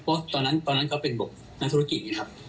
เพราะตอนนั้นเขาเป็นบทนัครธุรกิจเนี่ยครับ